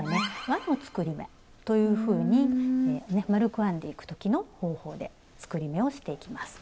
「わの作り目」というふうに丸く編んでいく時の方法で作り目をしていきます。